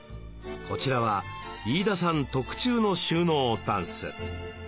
こちらは飯田さん特注の収納ダンス。